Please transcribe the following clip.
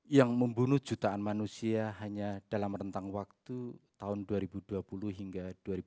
yang membunuh jutaan manusia hanya dalam rentang waktu tahun dua ribu dua puluh hingga dua ribu dua puluh